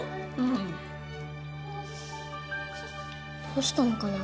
どうしたのかな？